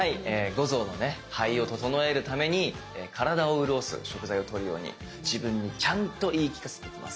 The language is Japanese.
五臓の肺をととのえるために体をうるおす食材をとるように自分にちゃんと言い聞かせていきます。